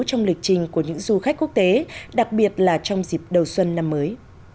trong lịch trình của những du khách quốc tế đặc biệt là trong dịp đầu xuân năm mới